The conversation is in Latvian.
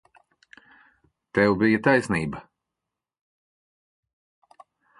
Tev bija taisnība.